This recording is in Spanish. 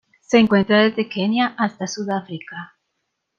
Se encuentra desde Kenia hasta Sudáfrica.